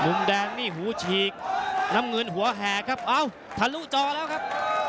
มุมแดงนี่หูฉีกน้ำเงินหัวแห่ครับเอ้าทะลุจอแล้วครับ